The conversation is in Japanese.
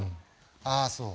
ああそう。